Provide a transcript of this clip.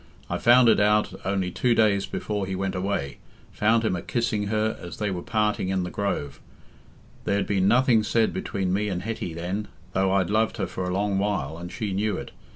I found it out only two days before he went away—found him a kissing her as they were parting in the Grove. There'd been nothing said between me and Hetty then, though I'd loved her for a long while, and she knew it.